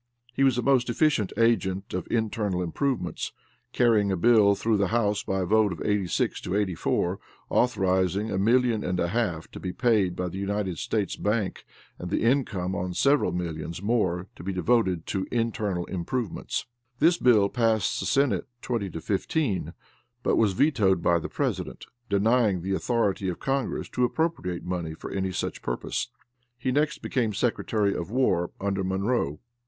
He was a most efficient agent of internal improvements, carrying a bill through the House by a vote of 86 to 84, authorizing a million and a half to be paid by the United States bank and the income on seven millions more to be devoted to internal improvements. This bill passed the Senate twenty to fifteen, but was vetoed by the president, denying the authority of congress to appropriate money for any such purpose. He next became Secretary of War, under Monroe.